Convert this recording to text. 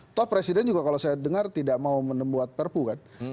toh presiden juga kalau saya dengar tidak mau menembuat perpu kan